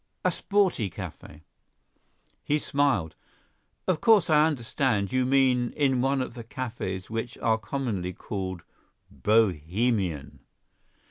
—a sporty cafe!" He smiled: "Of course, I understand—you mean in one of the cafes which are commonly called bohemian."